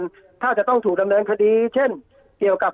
แล้วโรงเรียนถ้าจะต้องถูกฎั่งเนินคดีเช่นเกี่ยวกับ